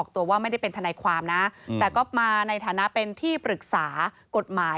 แต่ก็มาในฐานะเป็นที่ปรึกษากฎหมาย